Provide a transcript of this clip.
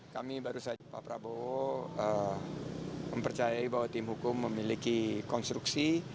kami baru saja pak prabowo mempercayai bahwa tim hukum memiliki konstruksi